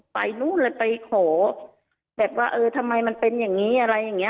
ไปนู่นเลยไปขอแบบว่าเออทำไมมันเป็นอย่างนี้อะไรอย่างเงี้